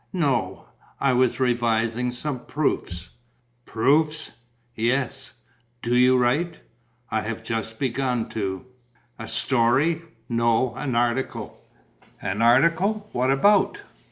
"No, I was revising some proofs." "Proofs?" "Yes." "Do you write?" "I have just begun to." "A story?" "No, an article." "An article? What about?"